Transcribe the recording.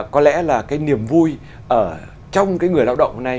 có lẽ là cái niềm vui trong người lao động hôm nay